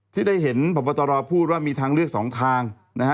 ที่ได้เห็นพบตรพูดว่ามีทางเลือกสองทางนะฮะ